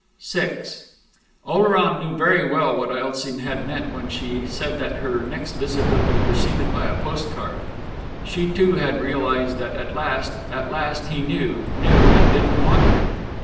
VI Oleron knew very well what Elsie had meant when she had said that her next visit would be preceded by a postcard. She, too, had realised that at last, at last he knew knew, and didn't want her.